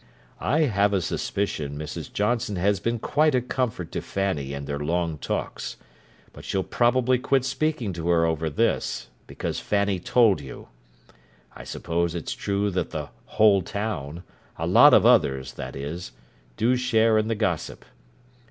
I have a suspicion Mrs. Johnson has been quite a comfort to Fanny in their long talks; but she'll probably quit speaking to her over this, because Fanny told you. I suppose it's true that the 'whole town,' a lot of others, that is, do share in the gossip.